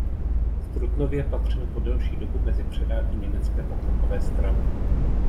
V Trutnově patřil po delší dobu mezi předáky Německé pokrokové strany.